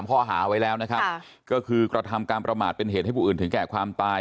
ข้อหาไว้แล้วนะครับก็คือกระทำการประมาทเป็นเหตุให้ผู้อื่นถึงแก่ความตาย